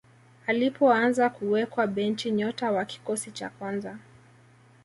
alipoanza kuwekwa benchi nyota wa kikosi cha kwanza